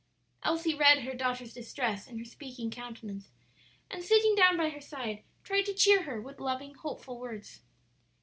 Elsie read her daughter's distress in her speaking countenance, and sitting down by her side tried to cheer her with loving, hopeful words.